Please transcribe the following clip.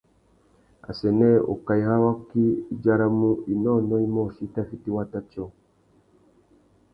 Assênē ukaï râ waki i djaramú « inônōh imôchï i tà fiti wata tiô ».